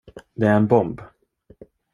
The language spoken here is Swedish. Det är en bomb.